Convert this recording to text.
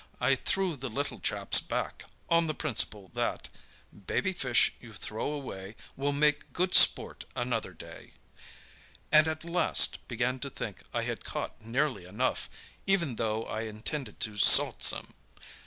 I threw the little chaps back, on the principle that— Baby fish you throw away Will make good sport another day, and at last began to think I had caught nearly enough, even though I intended to salt some.